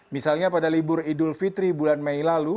misalnya pada libur idul fitri bulan mei lalu